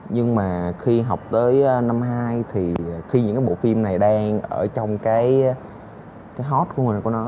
nhưng mà khi học tới năm hai thì khi những cái bộ phim này đang ở trong cái hot của người con nó